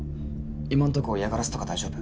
今のとこ嫌がらせとか大丈夫？